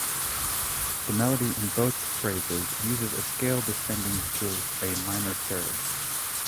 The melody in both phrases uses a scale descending through a minor third.